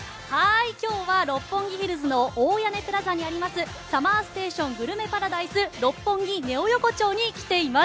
今日は六本木ヒルズの大屋根プラザの「ＳＵＭＭＥＲＳＴＡＴＩＯＮグルメパラダイス六本木ネオ横丁」に来ています。